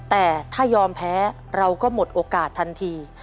แต่ถ้ายอมแพ้เราก็หมดโอกาสทันที